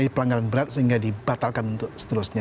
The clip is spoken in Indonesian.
pelanggaran berat sehingga dibatalkan untuk seterusnya